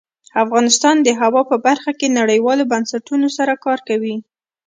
افغانستان د هوا په برخه کې نړیوالو بنسټونو سره کار کوي.